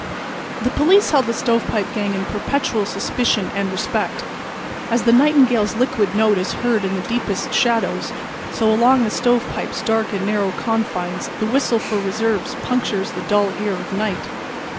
The police held the "Stovepipe" gang in perpetual suspicion and respect. As the nightingale's liquid note is heard in the deepest shadows, so along the "Stovepipe's" dark and narrow confines the whistle for reserves punctures the dull ear of night.